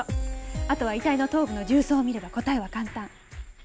あとは遺体の頭部の銃創を見れば答えは簡単。